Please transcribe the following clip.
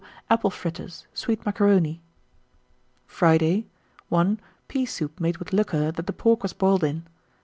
Apple fritters, sweet macaroni. 1922. Friday. 1. Pea soup made with liquor that the pork was boiled in.